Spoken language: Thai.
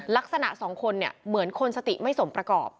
ลักษณะสองคนเนี่ยเหมือนคนสติไม่สมประกอบ